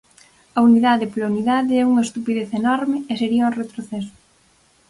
A unidade pola unidade é unha estupidez enorme e sería un retroceso.